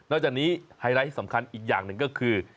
จากนี้ไฮไลท์สำคัญอีกอย่างหนึ่งก็คือ